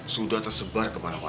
sudah tersebar kemana mana